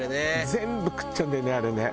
全部食っちゃうんだよねあれね。